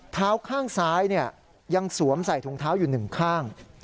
ข้างซ้ายยังสวมใส่ถุงเท้าอยู่หนึ่งข้าง